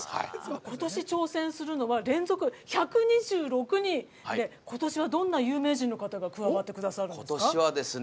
今年挑戦するのは連続１２６人でことしはどんな有名人の方が加わってくださるんですか？